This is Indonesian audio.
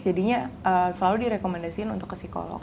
jadinya selalu direkomendasikan untuk ke psikolog